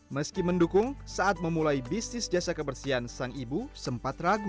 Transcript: meski mendukung saat memulai bisnis jasa kebersihan sang ibu sempat ragu